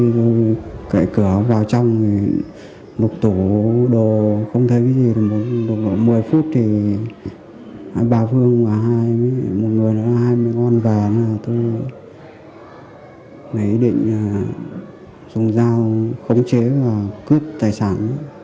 đồ không thấy cái gì một mươi phút thì ba phương và một người là hai mươi con và tôi mới định dùng dao khống chế và cướp tài sản